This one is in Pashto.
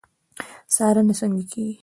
څارنه څنګه کیږي؟